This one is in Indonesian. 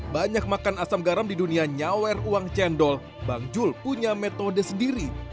banyak makan asam garam di dunia nyawer uang cendol bang jul punya metode sendiri